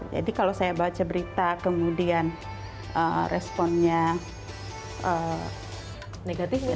jadi kalau saya baca berita kemudian responnya negatif gitu